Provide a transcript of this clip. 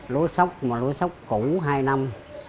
lúa sóc mà lúa sóc cũ hai năm